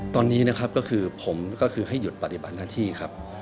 ตอนนี้ผมให้หยุดปฎิบันหน้าที่ครับ